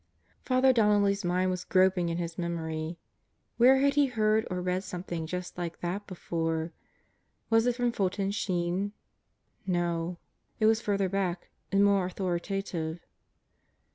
Father Donnelly's mind was groping in his memory. Where, had he heard or read something just like that before? Was it from Fulton Sheen? No. It was further back and more authorita tive.